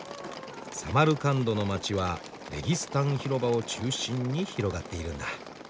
サマルカンドの街は「レギスタン広場」を中心に広がっているんだ。